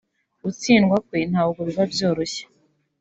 gutsindwa kwe ntabwo biba byoroshye